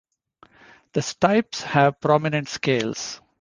The stipes have prominent scales.